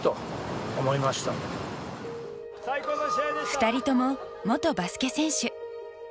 ２人とも元バスケ選手。